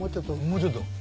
もうちょっと。